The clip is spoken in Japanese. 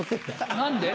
何で？